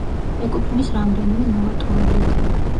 ეკუთვნის რამდენიმე ნოვატორული იდეა.